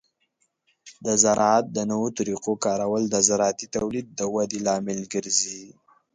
د زراعت د نوو طریقو کارول د زراعتي تولید د ودې لامل ګرځي.